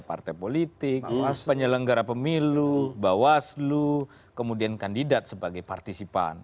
partai politik penyelenggara pemilu bawaslu kemudian kandidat sebagai partisipan